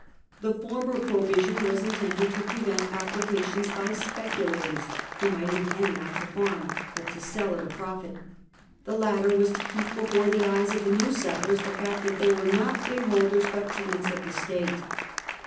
The former provision was intended to prevent applications by speculators, who might intend not to farm, but to sell at a profit ; the latter was to keep before the eyes of the new settlers the fact that they were not freeholders, but tenants of the state.